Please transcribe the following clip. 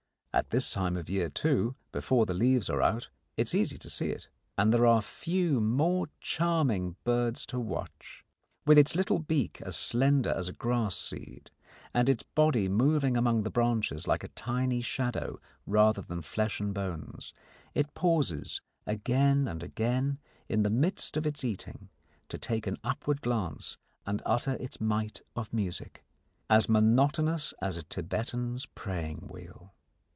At this time of year, too, before the leaves are out, it is easy to see it. And there are few more charming birds to watch. With its little beak as slender as a grass seed, and its body moving among the branches like a tiny shadow rather than flesh and bones, it pauses again and again in the midst of its eating to take an upward glance and utter its mite of music as monotonous as a Thibetan's praying wheel.